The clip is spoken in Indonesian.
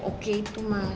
oke itu mas